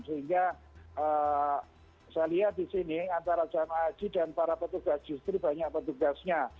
sehingga saya lihat di sini antara jamaah haji dan para petugas justru banyak petugasnya